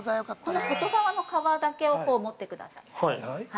◆この外側の皮だけを持ってください。